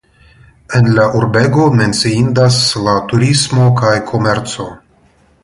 En la urbego menciindas la turismo kaj komerco.